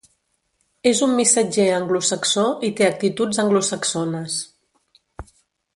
És un missatger anglosaxó, i té actituds anglosaxones.